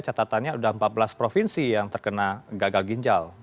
catatannya sudah empat belas provinsi yang terkena gagal ginjal